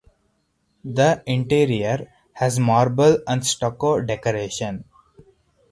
The interior has marble and stucco decoration.